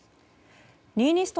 ニーニスト